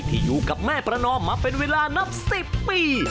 อยู่กับแม่ประนอมมาเป็นเวลานับ๑๐ปี